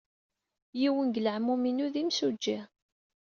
Yiwen seg leɛmum-inu d imsujji.